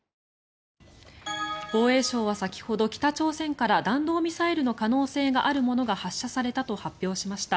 防衛省は先ほど北朝鮮から弾道ミサイルの可能性があるものが発射されたと発表しました。